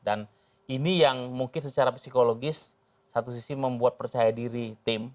dan ini yang mungkin secara psikologis satu sisi membuat percaya diri tim